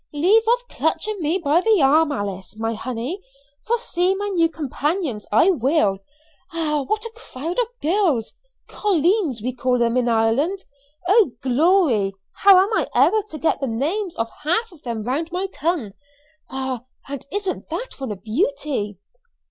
"Leave off clutching me by the arm, Alice, my honey, for see my new companions I will. Ah, what a crowd of girls! colleens we call them in Ireland. Oh, glory! how am I ever to get the names of half of them round my tongue? Ah, and isn't that one a beauty?"